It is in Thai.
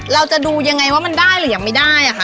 เราจะดูยังไงว่ามันได้หรือยังไม่ได้อะค่ะ